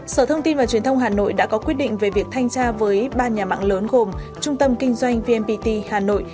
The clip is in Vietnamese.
sở thông tin và truyền thông hà nội đã có quyết định về việc thanh tra với ba nhà mạng lớn gồm trung tâm kinh doanh vnpt hà nội